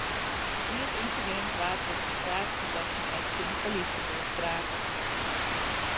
By it ynsidint waard troch ferskate fertochten ek tsjin de polysjebus trape.